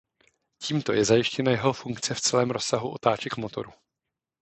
Tímto je zajištěna jeho funkce v celém rozsahu otáček motoru.